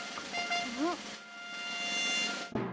うん？